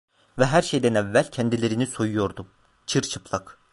Ve her şeyden evvel, kendilerini soyuyordum: Çırçıplak…